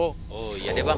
oh iya deh bang